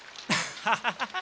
ハハハハ。